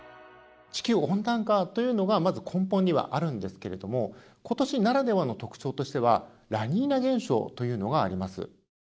地球温暖化というのがまず根本にはあるんですけれども今年ならではの特徴としてはラニーニャ現象というのがあります。